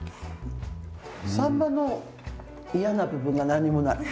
秋刀魚の嫌な部分が何もない。